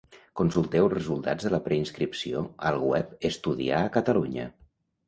Consulteu els resultats de la preinscripció al web Estudiar a Catalunya.